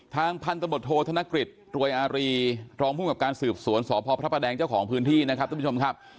พันธบทโทษธนกฤษรวยอารีรองภูมิกับการสืบสวนสพพระประแดงเจ้าของพื้นที่นะครับทุกผู้ชมครับ